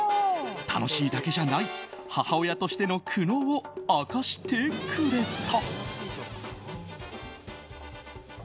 楽しいだけじゃない母親としての苦悩を明かしてくれた。